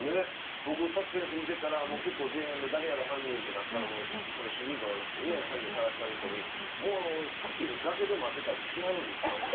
僕サスペンス見てたら結構前半で誰やろ犯人ってなったらその主人公の犯人捜してはる人に「もう先に崖で待ってたら来はるんちゃうの？」